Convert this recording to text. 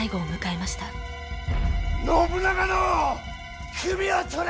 信長の首を取れ！